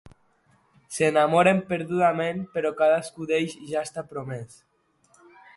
S'enamoren perdudament, però cadascú d'ells ja està promès.